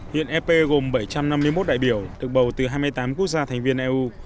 hiện ep gồm bảy trăm năm mươi một đại biểu được bầu từ hai mươi tám quốc gia thành viên eu